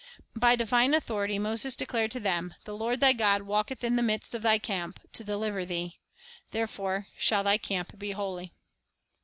By divine authority Moses declared to them, "The Lord thy God walketh in the midst of thy camp, to deliver thee ;... there fore shall thy camp be holy."